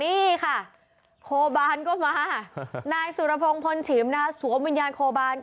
นี่ค่ะโคบานก็มานายสุรพงศ์พลฉิมนะคะสวมวิญญาณโคบาน